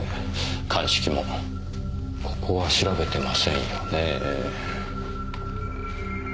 鑑識もここは調べてませんよね。